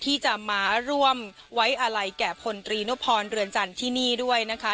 ที่จะมาร่วมไว้อาลัยแก่พลตรีนุพรเรือนจันทร์ที่นี่ด้วยนะคะ